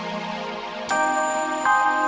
akhirnya mungkin revenge seleamas menang dari almu